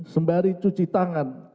sembari cuci tangan